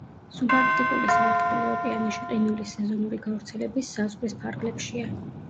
სუბარქტიკული სარტყელი ოკეანეში ყინულის სეზონური გავრცელების საზღვრის ფარგლებშია.